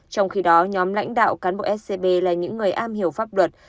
trong khi đó nhóm lãnh đạo cán bộ scb là những người am hiểu pháp luật